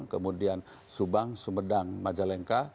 kemudian subang sumedang majalengka